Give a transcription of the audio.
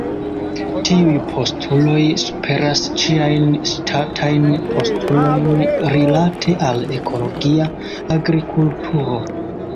Tiuj postuloj superas ĉiajn ŝtatajn postulojn rilate al ekologia agrikulturo.